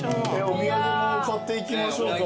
お土産も買っていきましょうか。